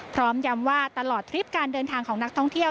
ย้ำว่าตลอดทริปการเดินทางของนักท่องเที่ยว